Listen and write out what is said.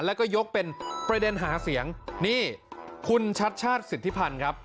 แล้วก็ยกเป็นประเด็นหาเสียงนี่คุณชัดชาติสิทธิพันธ์ครับ